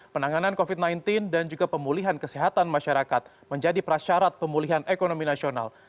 penanganan covid sembilan belas dan juga pemulihan kesehatan masyarakat menjadi prasyarat pemulihan ekonomi nasional